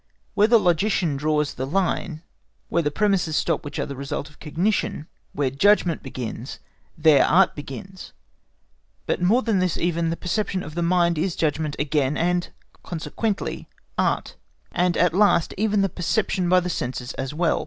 Where the logician draws the line, where the premises stop which are the result of cognition—where judgment begins, there Art begins. But more than this even the perception of the mind is judgment again, and consequently Art; and at last, even the perception by the senses as well.